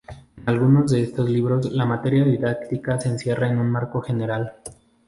En algunos de estos libros, la materia didáctica se encierra en un marco general.